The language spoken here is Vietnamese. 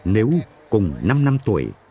nếu cùng năm năm tuổi